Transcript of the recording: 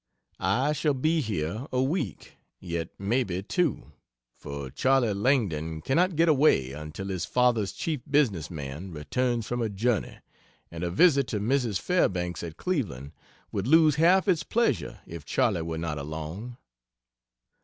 I shall be here a week yet maybe two for Charlie Langdon cannot get away until his father's chief business man returns from a journey and a visit to Mrs. Fairbanks, at Cleveland, would lose half its pleasure if Charlie were not along.